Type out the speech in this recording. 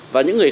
và những người